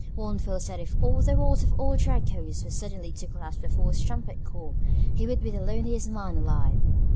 One feels that if all the walls of all the Jerichos were suddenly to collapse before his trumpet call he would be the loneliest man alive.